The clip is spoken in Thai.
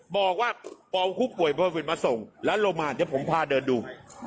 บอกว่าปวงคุกป่วยมาส่งแล้วเรามาเดี๋ยวผมพาเดินดู